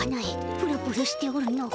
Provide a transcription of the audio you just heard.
プルプルしておるの。